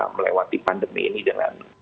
melewati pandemi ini dengan